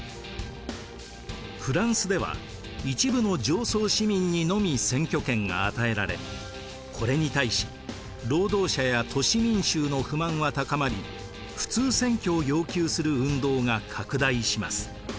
フランスでは一部の上層市民にのみ選挙権が与えられこれに対し労働者や都市民衆の不満は高まり普通選挙を要求する運動が拡大します。